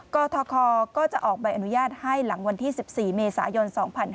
กทคก็จะออกใบอนุญาตให้หลังวันที่๑๔เมษายน๒๕๕๙